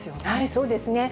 そうですね。